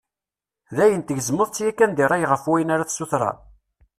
D ayen tgezmeḍ-tt yakan di ṛṛay ɣef wayen ara tessutred?